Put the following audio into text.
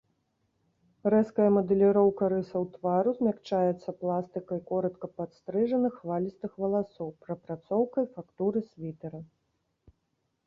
Рэзкая мадэліроўка рысаў твару змякчаецца пластыкай коратка падстрыжаных хвалістых валасоў, прапрацоўкай фактуры світэра.